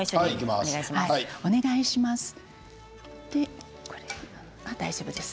お願いします。